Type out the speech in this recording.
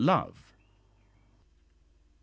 I. LOVE II.